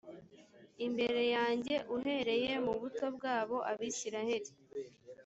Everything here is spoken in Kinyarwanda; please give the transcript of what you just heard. imbere yanjye uhereye mu buto bwabo abisirayeli